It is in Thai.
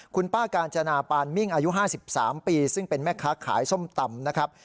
คุณป้ากาญจนาปานมิ่งอายุ๕๓ปีซึ่งเป็นแม่ค้าขายส้มตำนะครับ